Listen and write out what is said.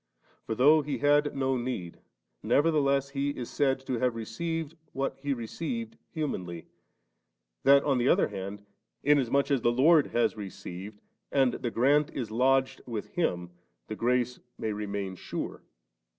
For though He had no need, nevertheless He is said to have received what He received humanly, that on the other hand, inasmuch as the Lord has received, and the grant is lodged with Him, the grace may remain sure.